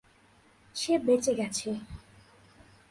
সে বেঁচে গেছে!